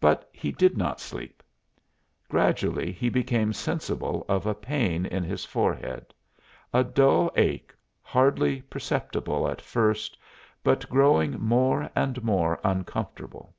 But he did not sleep. Gradually he became sensible of a pain in his forehead a dull ache, hardly perceptible at first, but growing more and more uncomfortable.